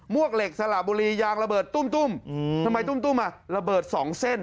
วกเหล็กสละบุรียางระเบิดตุ้มทำไมตุ้มอ่ะระเบิดสองเส้น